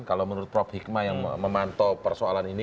kalau menurut prof hikmah yang memantau persoalan ini